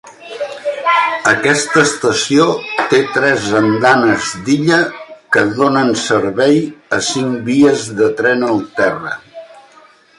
Aquesta estació té tres andanes d'illa que donen servei a cinc vies de tren al terra.